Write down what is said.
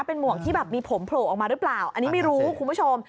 เป็นหมวกที่แบบมีผมโผล่ออกมาหรือเปล่าอันนี้ไม่รู้คุณผู้ชม